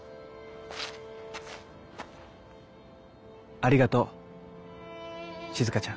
ありがとうしずかちゃん。